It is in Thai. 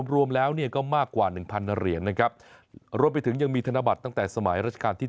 รวมแล้วก็มากกว่า๑๐๐เหรียญนะครับรวมไปถึงยังมีธนบัตรตั้งแต่สมัยราชการที่๗